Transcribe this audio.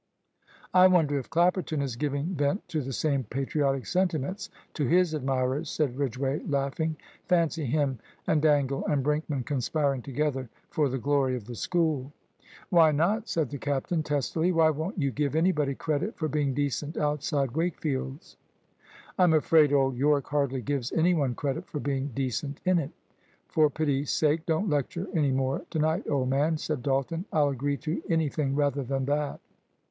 "I wonder if Clapperton is giving vent to the same patriotic sentiments to his admirers," said Ridgway, laughing. "Fancy him, and Dangle, and Brinkman conspiring together for the glory of the School." "Why not!" said the captain, testily. "Why won't you give anybody credit for being decent outside Wakefield's?" "I'm afraid old Yorke hardly gives any one credit for being decent in it. For pity's sake don't lecture any more to night, old man," said Dalton. "I'll agree to anything rather than that."